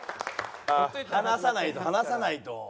離さないと離さないと。